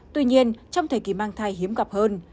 tuy nhiên trong thời kỳ mang thai hiếm gặp hơn